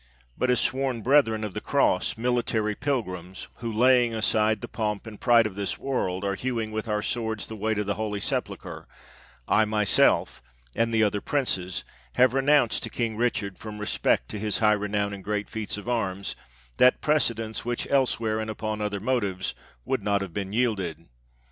But as sworn brethren of the Cross, military pilgrims, who, laying aside the pomp and pride of this world, are hewing with our swords the way to the Holy Sepulchre, I myself, and the other princes, have renounced to King Richard, from respect to his high renown and great feats of arms, that precedence, which elsewhere, and upon other motives, would not have been yielded.